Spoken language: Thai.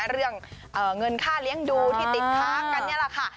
เรื่องเงินค่าเลี้ยงดูที่ติดค้างกันนี่แหละค่ะ